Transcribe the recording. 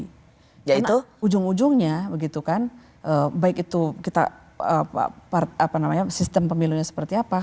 karena ujung ujungnya baik itu sistem pemilunya seperti apa